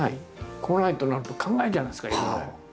来ないとなると考えるじゃないですかいろいろ。